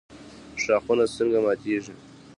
ښاخونه څنګه ماتیږي؟